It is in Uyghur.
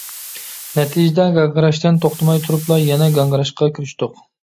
نەتىجىدە، گاڭگىراشتىن توختىماي تۇرۇپلا يەنە گاڭگىراشقا كىرىشتۇق.